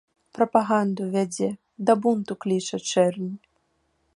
Прапаганду вядзе, да бунту кліча чэрнь.